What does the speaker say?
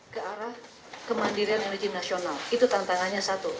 kementerian bumn mengatakan kemendirian energi nasional itu tantangannya satu